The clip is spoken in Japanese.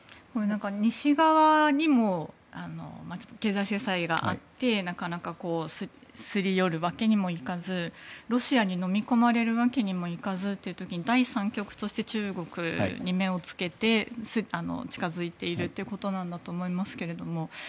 西側にも経済制裁があってなかなかすり寄るわけにもいかずロシアにのみ込まれるわけにもいかずという時に第三極として中国に目をつけて近づいているということなんだと思いますけども。